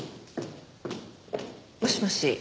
もしもし。